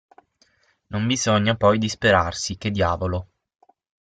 Non bisogna poi disperarsi; che diavolo.